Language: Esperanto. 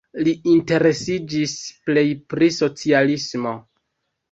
Li interesiĝis plej pri socialismo.